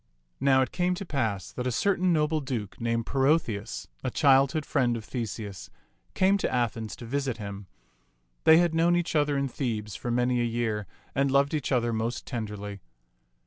Now it came to pass that a certain noble duke named Perotheus, a childhood's friend of Theseus, came to Athens to visit him; they had known each other in Thebes for many a year, and loved each other most tenderly.